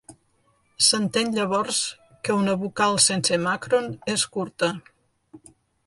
S'entén llavors que una vocal sense màcron és curta.